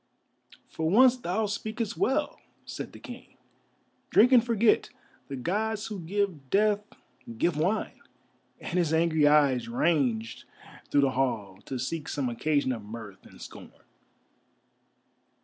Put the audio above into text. "For once thou speakest well," said the King. "Drink and forget; the Gods who give Death give wine," and his angry eyes ranged through the hall, to seek some occasion of mirth and scorn.